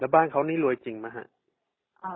บ้านเขานี่รวยจริงไหมครับ